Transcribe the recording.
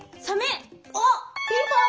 ピンポン！